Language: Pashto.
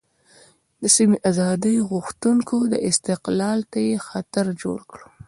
د سیمې د آزادۍ غوښتونکو استقلال ته یې خطر جوړ کړ.